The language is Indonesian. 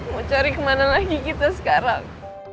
mau cari kemana lagi kita sekarang